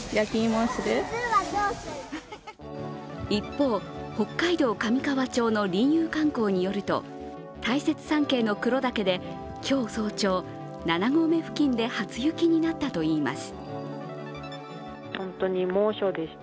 一方、北海道上川町のりんゆう観光によると大雪山系の黒岳で今日早朝、７合目付近で初雪になったといいます。